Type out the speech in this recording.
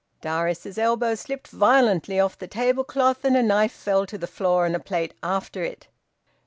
Darius's elbow slipped violently off the tablecloth, and a knife fell to the floor and a plate after it.